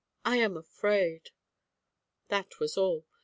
"I am afraid." That was all.